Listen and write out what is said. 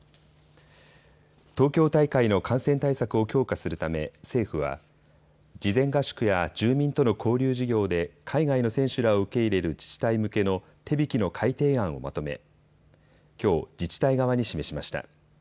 東京大会の感染対策を強化するため政府は事前合宿や住民との交流事業で海外の選手らを受け入れる自治体向けの手引の改訂案をまとめ、きょう自治体側に示しました。